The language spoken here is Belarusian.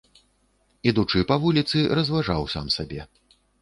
Ідучы па вуліцы, разважаў сам сабе.